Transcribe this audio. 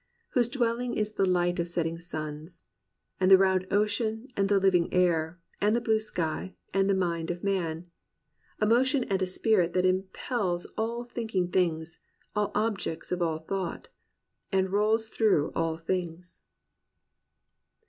Whose dwelling is the light of setting suns. And the round ocean and the Uving air. And the blue sky, and in the mind of man: A motion and a spirit, that impels All thinking things, all objects of all thought. And rolls through all things."